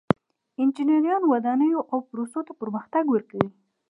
انجینران ودانیو او پروسو ته پرمختګ ورکوي.